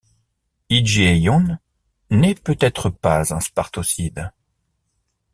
Hygiaion n'est peut-être pas un Spartocide.